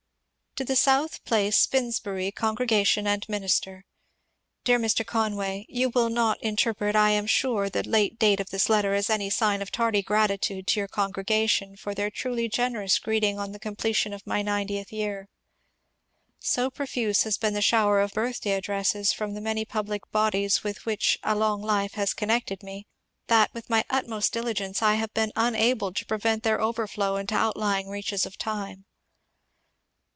To the South Place^ Fimbury^ Congregation and Minister : Dear Mb, Conway, — You will not interpret, I am sure, the late date of this letter as any sign of tardy gratitude to your congregation for their truly generous greeting on the completion of my ninetieth year. So profuse has been the shower of birthday addresses from the many public bodies with which a long life has connected me, that, with my utmost diligence, I have been unable to prevent their overflow into outlying reaches of time.